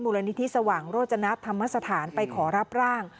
มุรณิทธิสว่างโรจณัสทรัพย์ธรรมสถานไปขอรับร่าง